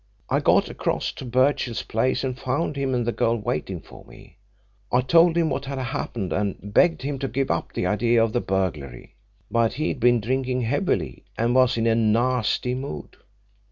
I got across to Birchill's place and found him and the girl waiting for me. I told him what had happened, and begged him to give up the idea of the burglary. But he'd been drinking heavily, and was in a nasty mood.